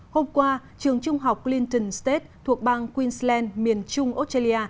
hôm qua trường trung học clinton state thuộc bang queensland miền trung australia